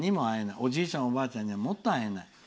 おじいちゃん、おばあちゃんにはもっと会えない。